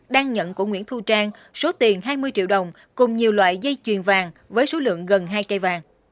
đang nhận của nguyễn thu trang số tiền hai mươi triệu đồng cùng nhiều loại dây chuyền vàng với số lượng gần hai cây vàng